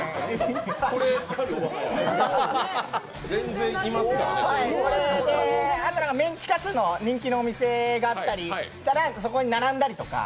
これでメンチカツの人気のお店があったりしたらそこに並んだりとか。